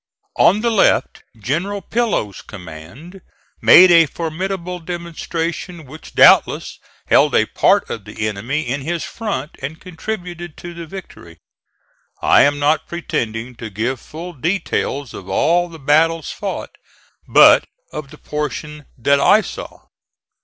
On the left General Pillow's command made a formidable demonstration, which doubtless held a part of the enemy in his front and contributed to the victory. I am not pretending to give full details of all the battles fought, but of the portion that I saw.